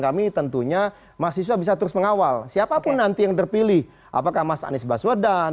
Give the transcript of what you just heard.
kami tentunya mahasiswa bisa terus mengawal siapapun nanti yang terpilih apakah mas anies baswedan